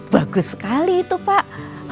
bagus sekali itu pak